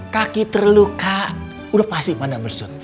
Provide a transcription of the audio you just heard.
kaki terluka udah pasti pada bersut